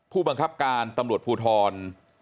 ผู้บังคับการตำรวจภูทร